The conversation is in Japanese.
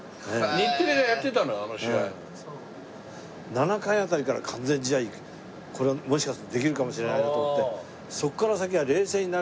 ７回辺りから完全試合これはもしかするとできるかもしれないなと思って。